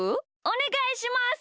おねがいします。